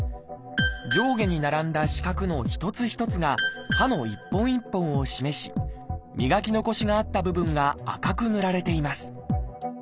上下に並んだ四角の一つ一つが歯の一本一本を示し磨き残しがあった部分が赤く塗られています。